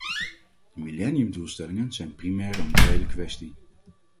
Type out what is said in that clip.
De millenniumdoelstellingen zijn primair een morele kwestie.